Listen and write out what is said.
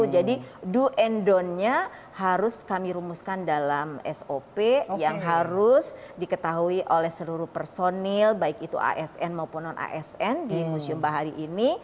jadi do and donnya harus kami rumuskan dalam sop yang harus diketahui oleh seluruh personil baik itu asn maupun non asn di museum bahari ini